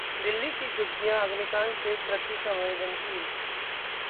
दिल्ली की झुग्गियां अग्निकांड के प्रति संवेदनशील